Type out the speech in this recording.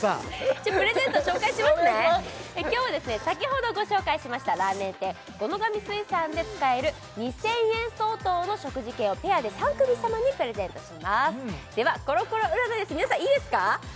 じゃあプレゼント紹介しますね今日は先ほどご紹介しましたラーメン店五ノ神水産で使える２０００円相当の食事券をペアで３組様にプレゼントしますではコロコロ占いです皆さんいいですか？